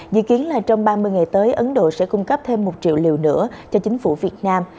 dự kiến là trong ba mươi ngày tới ấn độ sẽ cung cấp thêm một triệu liều nữa cho chính phủ việt nam